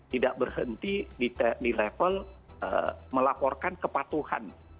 tidak berhenti di level melaporkan kepatuhan